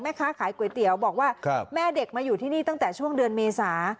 แม่ค้าขายก๋วยเตี๋ยวบอกว่าแม่เด็กมาอยู่ที่นี่ตั้งแต่ช่วงเดือนเมษา